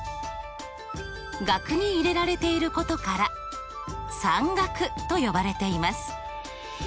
額に入れられていることから算額と呼ばれています。